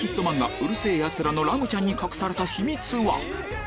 『うる星やつら』のラムちゃんに隠された秘密は？